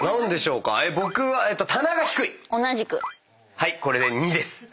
はいこれで２です。